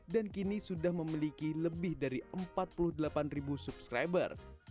dan kini sudah memiliki lebih dari empat puluh delapan subscriber